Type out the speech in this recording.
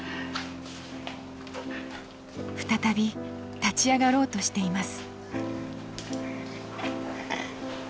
再び立ち上がろうとしています。